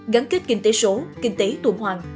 gắn kết kinh tế số kinh tế tuần hoàn